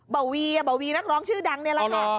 เบาวีเบาวีนักร้องชื่อดังนี่แหละค่ะ